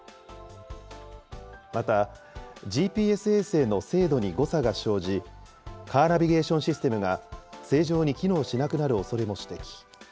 また、ＧＰＳ衛星の精度に誤差が生じ、カーナビゲーションシステムが正常に機能しなくなるおそれも指摘。